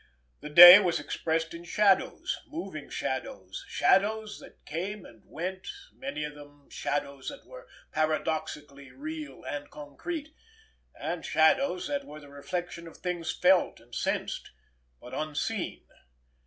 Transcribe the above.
The day was expressed in shadows, moving shadows, shadows that came and went, many of them, shadows that were paradoxically real and concrete, and shadows that were the reflection of things felt and sensed, but unseen.